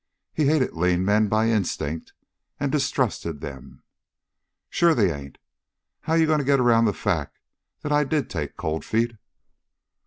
He hated lean men by instinct and distrusted them. "Sure they ain't. How you going to get around the fact that I did take Cold Feet?"